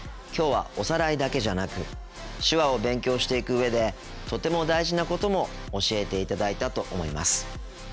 きょうはおさらいだけじゃなく手話を勉強していく上でとても大事なことも教えていただいたと思います。